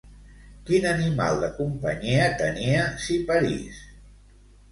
Quin animal de companyia tenia Ciparís?